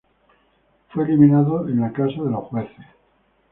Fue eliminado en la casa de los jueces.